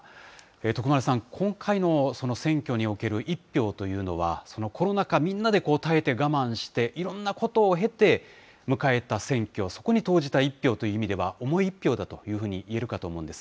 徳丸さん、今回の選挙における１票というのは、そのコロナ禍みんなで耐えて、我慢して、いろんなことを経て迎えた選挙、そこに投じた１票という意味では重い１票だというふうにいえると思うんです。